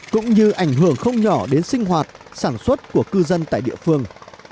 cũng như ảnh hưởng không nhỏ đến sinh hoạt sản xuất của cư dân tại địa phương